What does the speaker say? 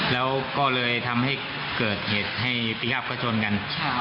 แล้วก็เลยทำให้เกิดเหตุให้ปียับก็ชนกัน